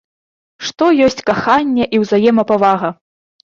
Што ёсць каханне і ўзаемапавага?